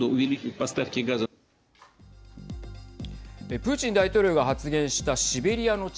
プーチン大統領が発言したシベリアの力